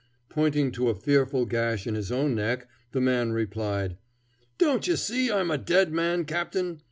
Pointing to a fearful gash in his own neck, the man replied, "Don't ye see I'm a dead man, captain?